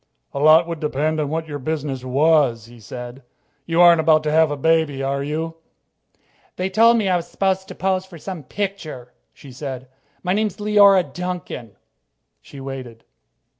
"A lot would depend on what your business was," he said. "You aren't about to have a baby, are you?" "They told me I was supposed to pose for some picture," she said. "My name's Leora Duncan." She waited.